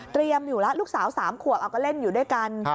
อยู่แล้วลูกสาว๓ขวบเอาก็เล่นอยู่ด้วยกัน